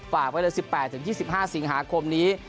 ฝากไว้เลย๑๘๒๕สิงหาคมนี้